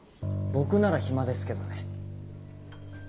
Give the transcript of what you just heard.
僕なら暇ですけどね。